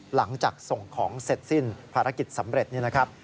หลังจากส่งของเสร็จสิ้นภารกิจสำเร็จนี่นะครับ